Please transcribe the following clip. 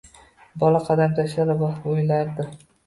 Bola qadam tashlar va oʻylardi: